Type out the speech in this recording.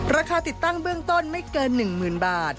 ติดตั้งเบื้องต้นไม่เกิน๑๐๐๐บาท